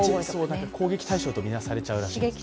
攻撃対象とみなされちゃうらしいです。